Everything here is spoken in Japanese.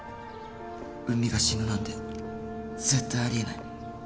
うみが死ぬなんて絶対あり得ない